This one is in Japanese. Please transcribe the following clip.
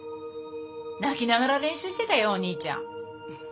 泣きながら練習してたよお兄ちゃん。